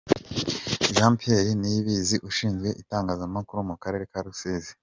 Jean Pierre Niyibizi ushinzwe Itangazamakuru mu Karere ka Rusizi.